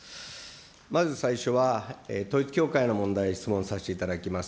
まず最初は、統一教会の問題の質問させていただきます。